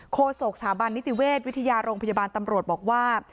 โศกสถาบันนิติเวชวิทยาโรงพยาบาลตำรวจบอกว่า